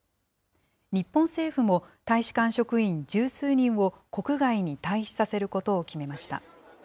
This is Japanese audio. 日本政府も大使館職員十数人を国外に退避させることを決めました。